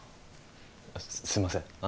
あすいません